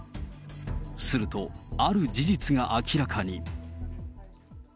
すると、ある事実が明らかに。